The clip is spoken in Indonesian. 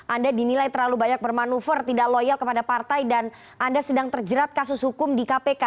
anda dinilai terlalu banyak bermanuver tidak loyal kepada partai dan anda sedang terjerat kasus hukum di kpk